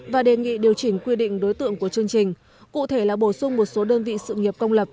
và đề nghị điều chỉnh quy định đối tượng của chương trình cụ thể là bổ sung một số đơn vị sự nghiệp công lập